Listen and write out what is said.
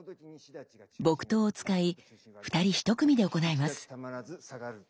木刀を使い二人一組で行います。